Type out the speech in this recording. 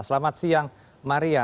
selamat siang maria